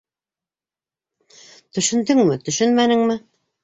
Төшөндөңмө, төшөнмәнеңме?